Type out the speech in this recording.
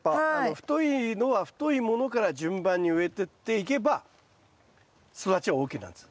太いのは太いものから順番に植えてっていけば育ちは大きくなるんです。